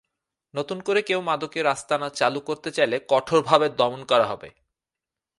নতুন করে কেউ মাদকের আস্তানা চালু করতে চাইলে কঠোরভাবে দমন করা হবে।